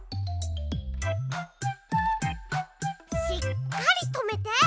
しっかりとめて！